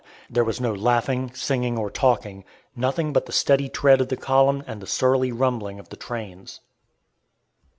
There was no laughing, singing, or talking. Nothing but the steady tread of the column and the surly rumbling of the trains.